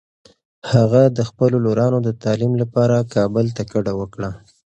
هغه د خپلو لورانو د تعلیم لپاره کابل ته کډه وکړه.